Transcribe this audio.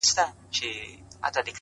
پوهه د ذهن پټې لارې روښانوي’